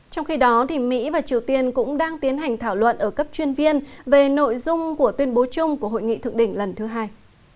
trong khi đó mỹ và triều tiên cũng đang tiến hành thảo luận ở cấp chuyên viên về nội dung của tuyên bố chung của hội nghị thượng đỉnh lần thứ hai